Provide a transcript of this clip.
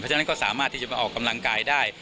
ฉะนั้นก็สามารถที่จะมาออกกำลังกายได้